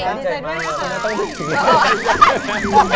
ดีเจ็ดไหมนะคะ